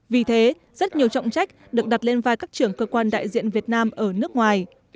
vì thế rất nhiều trọng trách được đặt lên vai các trưởng cơ quan đại diện việt nam ở nước ngoài